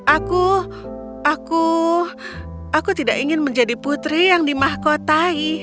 aku aku tidak ingin menjadi putri yang dimahkotai